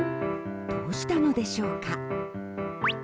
どうしたのでしょうか？